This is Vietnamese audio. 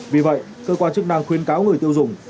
vì vậy cơ quan chức năng khuyến cáo người tiêu dùng